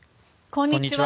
こんにちは。